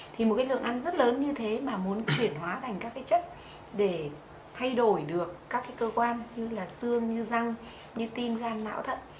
thì một cái lượng ăn rất lớn như thế mà muốn chuyển hóa thành các cái chất để thay đổi được các cái cơ quan như là xương như răng như tim gan não thận